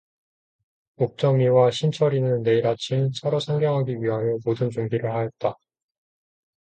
옥점이와 신철이는 내일 아침 차로 상경 하기 위하여 모든 준비를 하였다.